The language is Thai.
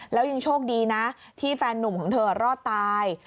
แล้วยังโชคดีนะที่แฟนนุ่มของเธอรอดตาย